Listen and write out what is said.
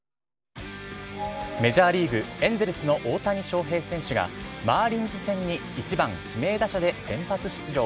メジャーリーグ・エンゼルスの大谷翔平選手が、マーリンズ戦に１番指名打者で先発出場。